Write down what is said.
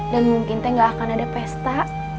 dan mungkin teh gak akan ada pesta